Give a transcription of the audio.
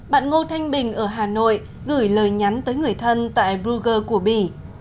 bạn ngô thanh bình ở hà nội gửi lời nhắn tới người thân tại bruger của bỉ